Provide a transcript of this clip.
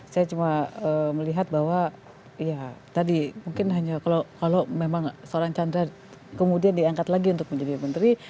saya cuma melihat bahwa ya tadi mungkin hanya kalau memang seorang chandra kemudian diangkat lagi untuk menjadi menteri